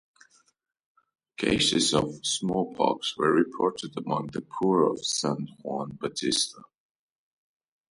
Cases of smallpox were reported among the poor of San Juan Bautista.